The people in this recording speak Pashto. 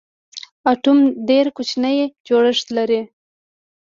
اټوم ډېر کوچنی جوړښت لري.